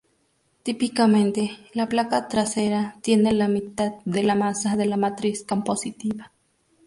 Típicamente la placa trasera tiene la mitad de la masa de la matriz compositiva.